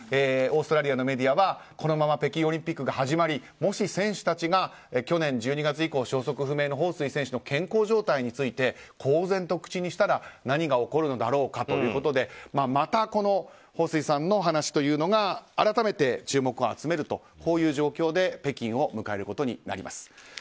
オーストラリアのメディアはこのまま北京オリンピックが始まりもし選手たちが去年１２月以降消息不明のホウ・スイ選手の健康状態について公然と口にしたら何が起こるのだろうかということでまたホウ・スイさんの話が改めて注目を集めるという状況で北京を迎えることになります。